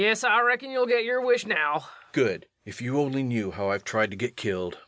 LUKE. Yes, I reckon you'll get your wish now. REVENUE. Good ... if you only knew how I've tried to get killed.